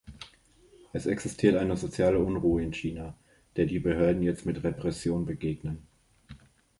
Es existiert eine soziale Unruhe in China, der die Behörden jetzt mit Repression begegnen.